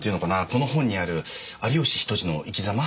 この本にある有吉比登治の生きざま？